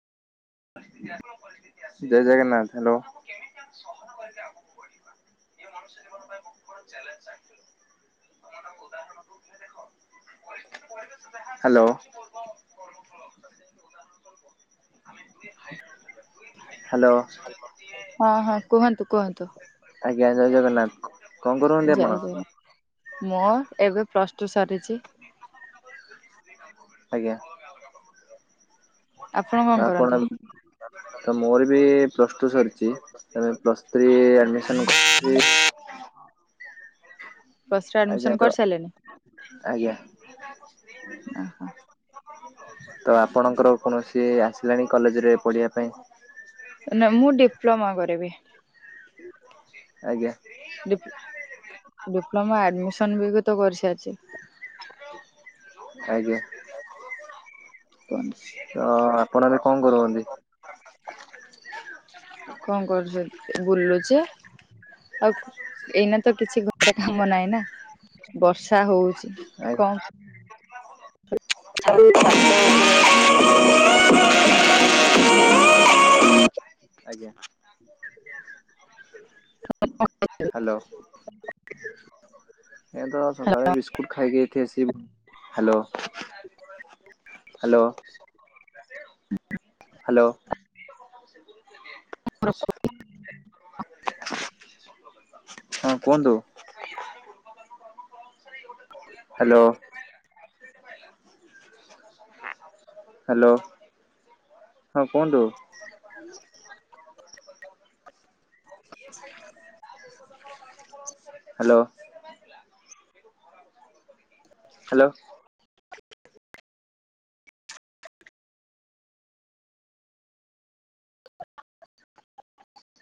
ଜୟ Jagannath hello. [unintelligible] Hello. Hello. ହଁ ହଁ କୁହନ୍ତୁ କୁହନ୍ତୁ। ଆଜ୍ଞା ଜୟ ଜଗନ୍ନାଥ କଣ କରୁଚନ୍ତି ଆପଣ? ମୁଁ ଏବେ ପ୍ଲସ ଟୁ ସରିଛି। ଆଜ୍ଞା। ଆପଣ କଣ କରନ୍ତି? ଆପଣ ତ ମୋର ବି ପ୍ଲସ ଟୁ ସରି ଚି ତାପରେ ପ୍ଲସ୍ ଥ୍ରୀ ଆଡମିଶନ୍ କରିଚି। ଫ୍ଷ୍ଟରେ ଆଜ୍ଞା ଆଡ଼ମିସନ୍ ତ କରିସାରିଲେଣି? ଆଜ୍ଞା। ଆଉ ଓହୋ ଆପଣଙ୍କର? କୌଣସି ଆସିଲାଣି କଲେଜରେ ପଢ଼ିବା ପାଇଁ। ନା ମୁଁ ଡିପ୍ଲୋମା କରିବି। ଆଜ୍ଞା। ଡିପ୍ଲୋମା ଆଡମିସନ ବି ବି ତ କରିସାରିଛି। ଆଜ୍ଞା। କୁହନ୍ତୁ ତ ଆପଣଏବେ କଣ କରୁଛନ୍ତି। କଣ କରୁଛି ବୁଲୁଚି। ଆଉ ଏଇନା ତ କିଛି ଘରେ କାମ ନାହିଁ ନା ବର୍ଷା ହଉଛି। କଣ ଆଜ୍ଞା। [inaudible] [inaudible] ଆଜ୍ଞା। [inaudible] ହାଲୋ। ଏ ତ ସକାଳେ ବିସ୍କୁଟ ଖାଇକି ଏଠି ଆସିକି ହାଲୋ। ହାଲୋ। ହାଲୋ। [inaudible] ହଁ କୁହନ୍ତୁ। ହାଲୋ। ହାଲୋ ହଁ କୁହନ୍ତୁ। ହାଲୋ। ହାଲୋ।